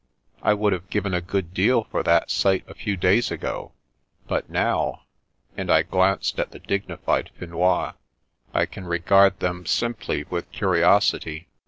I would have given a good deal for that sight a few days ago, but now "— ^and I glanced at the dignified Finois —" I can regard them simply with curiosity."